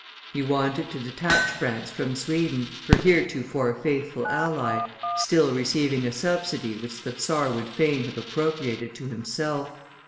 He wanted to detach France from Sweden, her heretofore faithful ally, still receiving a subsidy which the czar would fain have appropriated to himself.